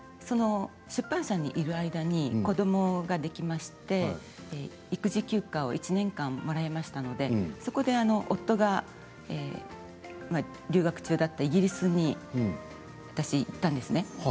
その出版社にいる間に子どもができまして、育児休暇を１年間もらいましたのでそこで、夫が留学中だったイギリスに私、行ったんですね。